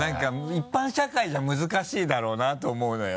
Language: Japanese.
一般社会じゃ難しいだろうなと思うのよ。